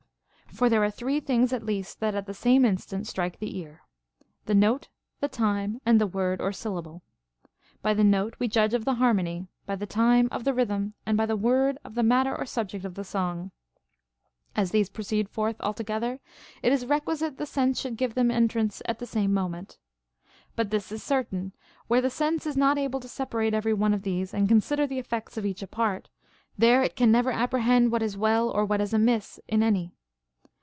35. For there are three things at least that at the same instant strike the ear, — the note, the time, and the word or syllable. By the note we judge of the harmony, by the time of the rhythm, and by the word of the matter or sub ject of the song. As these proceed forth altogether, it is requisite the sense should give them entrance at the same moment. But this is certain, Avhere the sense is not able to separate every one of these and consider the effects of each apart, there it can never apprehend Avhat is well or what is amiss in any.